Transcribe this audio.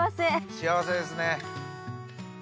幸せですね！